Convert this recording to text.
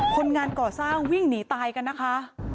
คนงานก่อสร้างวิ่งหนีตายกันนะคะ